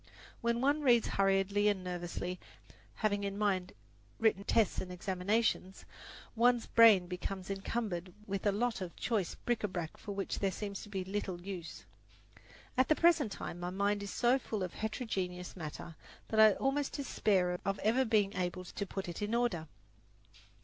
When one reads hurriedly and nervously, having in mind written tests and examinations, one's brain becomes encumbered with a lot of choice bric a brac for which there seems to be little use. At the present time my mind is so full of heterogeneous matter that I almost despair of ever being able to put it in order.